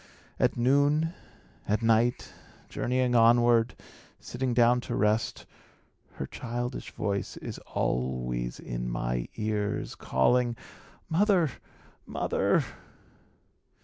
At noon, at night, journeying onward, sitting down to rest, her childish voice is always in my ears, calling, 'Mother! mother!'